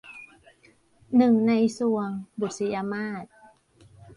หนึ่งในทรวง - บุษยมาส